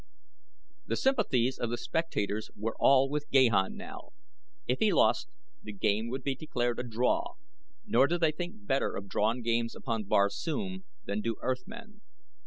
The sympathies of the spectators were all with Gahan now. If he lost, the game would be declared a draw, nor do they think better of drawn games upon Barsoom than do Earth men.